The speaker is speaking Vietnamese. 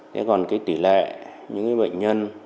thế còn cái tỷ lệ những bệnh nhân